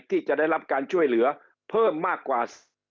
ที่จะได้รับการช่วยเหลือเพิ่มมากกว่า